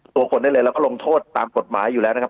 ตัวคนได้เลยแล้วก็ลงโทษตามกฎหมายอยู่แล้วนะครับ